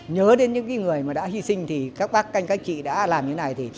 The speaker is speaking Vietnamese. nhớ đến những người đã hy sinh các bác các anh các chị đã làm như thế này